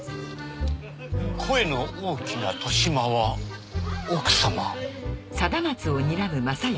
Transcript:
声の大きな年増は奥様。